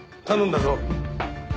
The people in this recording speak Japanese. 頼んだぞ。